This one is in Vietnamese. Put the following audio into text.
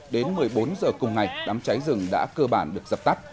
đến một mươi bốn h cùng ngày đám cháy rừng đã cơ bản được dập tắt